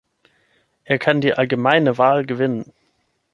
Er kann die allgemeine Wahl gewinnen.